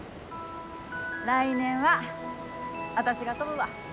来年は私が飛ぶわ！